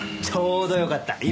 ちょうどよかった。